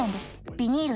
ビニール